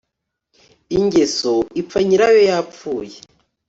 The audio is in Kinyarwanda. ingeso ipfa nyirayo yapfuye